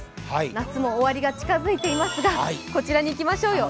夏も終わりが近づいていますがこちらに行きましょうよ